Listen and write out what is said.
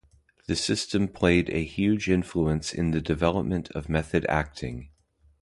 The system played a huge influence in the development of method acting.